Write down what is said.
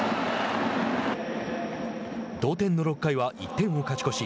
同点の６回は１点を勝ち越し